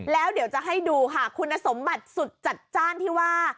แล้วเดี๋ยวจะให้ดูค่ะคุณสมบัติสุดจัดจ้านที่ว่า